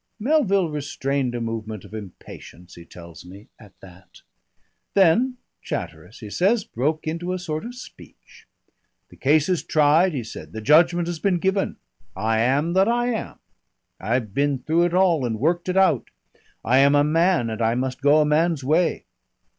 Melville restrained a movement of impatience, he tells me, at that. Then Chatteris, he says, broke into a sort of speech. "The case is tried," he said, "the judgment has been given. I am that I am. I've been through it all and worked it out. I am a man and I must go a man's way.